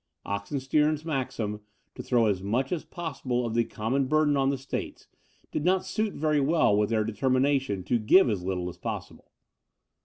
Oxenstiern's maxim, to throw as much as possible of the common burden on the states, did not suit very well with their determination to give as little as possible.